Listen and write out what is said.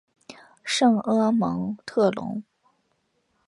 圣阿芒蒙特龙。